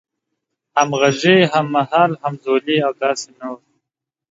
همغږی، هممهال، همزولی او داسې نور